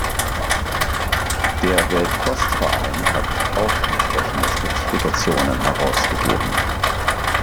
Der Weltpostverein hat auch entsprechende Spezifikationen herausgegeben.